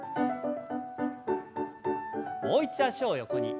もう一度脚を横に。